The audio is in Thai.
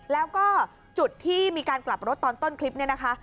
แล้วก็จุดที่มีการกลับรถตอนต้นคลิปนี้นะคะ